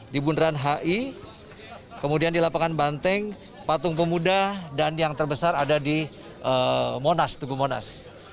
di bundaran hi kemudian di lapangan banteng patung pemuda dan yang terbesar ada di monas tugu monas